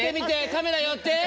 カメラ寄って！